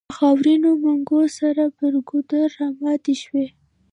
له خاورينو منګو سره پر ګودر راماتې شوې.